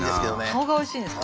顔がおいしいんですか？